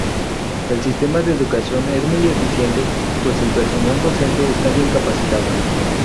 El sistema de educación es muy eficiente, pues el personal docente esta bien capacitado.